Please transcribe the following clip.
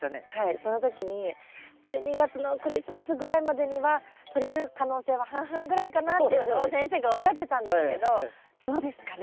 その時に１２月のクリスマスぐらいまでにはとれる可能性は半々ぐらいかなっていうのを先生がおっしゃってたんですけどどうですかね？